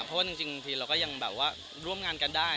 เพราะว่าจริงทีเราก็ยังแบบว่าร่วมงานกันได้